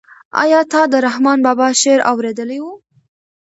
آیا تا د رحمان بابا شعر اورېدلی و؟